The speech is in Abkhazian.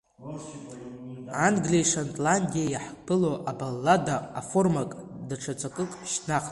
Англиеи Шотландиеи иаҳԥыло абаллада аформак, даҽа ҵакык шьҭнахт…